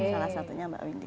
salah satunya mbak windy